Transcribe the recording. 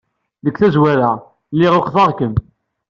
Deg tazwara, lliɣ ukḍeɣ-kem.